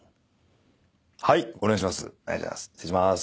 はいお願いします。